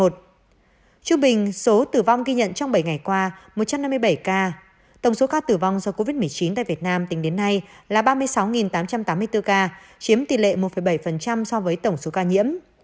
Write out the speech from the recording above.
trung bình số tử vong ghi nhận trong bảy ngày qua một trăm năm mươi bảy ca tổng số ca tử vong do covid một mươi chín tại việt nam tính đến nay là ba mươi sáu tám trăm tám mươi bốn ca chiếm tỷ lệ một bảy so với tổng số ca nhiễm